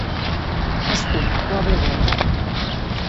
Ascù, una pregunta.